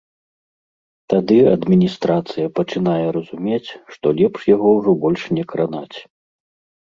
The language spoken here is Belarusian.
Тады адміністрацыя пачынае разумець, што лепш яго ўжо больш не кранаць.